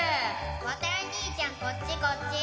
・わたる兄ちゃんこっちこっち！